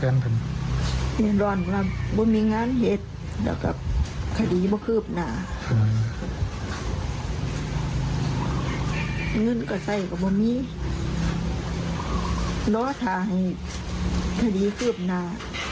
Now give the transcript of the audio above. นึดกว่าใส่กว่ามีรอชายคดีคืบหน้า